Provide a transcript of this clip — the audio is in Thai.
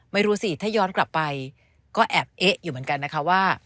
ไม่รู้สิถ้าย้อนกลับไปก็แอบเอ๊ะอยู่เหมือนกันนะคะว่า